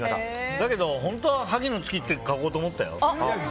だけど本当は萩の月って書こうと思ったよ。